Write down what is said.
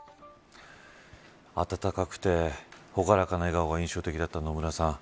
温かくて朗らかな笑顔が印象的だった野村さん。